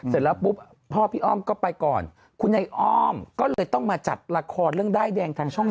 เดี๋ยวพอพี่อ้อมก็ไปก่อนคุณใหญ่อ้อมก็ต้องมาจัดเรื่องได้แดงของช่อง๓